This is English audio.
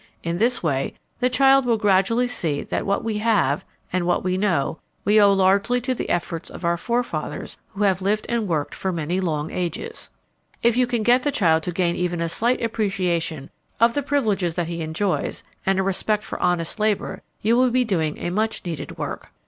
In this way the child will gradually see that what we have, and what we know, we owe largely to the efforts of our forefathers who have lived and worked for many long ages. If you can get the child to gain even a slight appreciation of the privileges that he enjoys, and a respect for honest labor, you will be doing a much needed work.